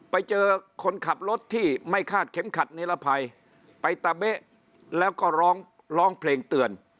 ไปเจอคนขับรถที่ไม่คาดเข็มขัดนิรภัยไปตะเบ๊ะแล้วก็ร้องร้องเพลงเตือน